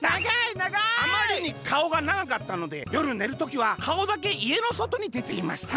「あまりにかおがながかったのでよるねる時はかおだけいえのそとにでていました」。